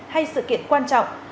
hay sự kiện quan trọng